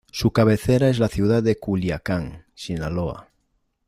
Su cabecera es la ciudad de Culiacán, Sinaloa.